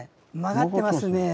曲がってますね。